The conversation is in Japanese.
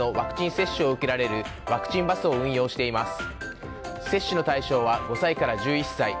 接種の対象は５歳から１１歳。